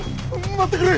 待ってくれ！